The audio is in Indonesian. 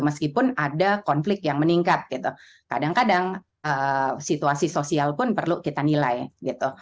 meskipun ada konflik yang meningkat gitu kadang kadang situasi sosial pun perlu kita nilai gitu